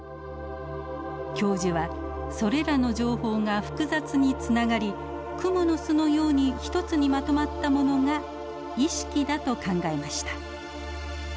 教授はそれらの情報が複雑につながりくもの巣のように一つにまとまったものが意識だと考えました。